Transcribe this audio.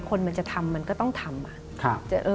คนมันจะทำมันก็ต้องทำ